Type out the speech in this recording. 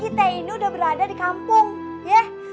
kita ini udah berada di kampung yeh